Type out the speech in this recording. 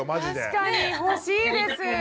確かに欲しいです。